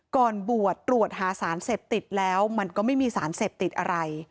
ก่อนบวชตรวจหาสารเสพติดแล้วมันก็ไม่มีสารเสพติดอะไร